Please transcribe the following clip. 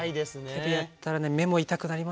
手でやったらね目も痛くなりますしね。